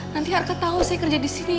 nanti arka tahu saya kerja di sini